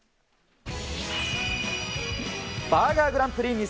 バーガーグランプリ２０２２。